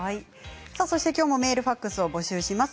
きょうもメールファックスを募集します。